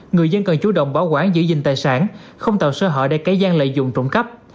người dân cần chú động bảo quản giữ gìn tài sản không tạo sơ hợi để cấy gian lợi dụng trụng cấp